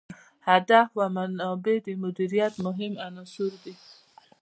هدف او منابع د مدیریت مهم عناصر دي.